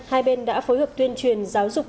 hai bên đã phối hợp tuyên truyền giáo dục